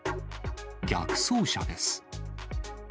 逆走車です。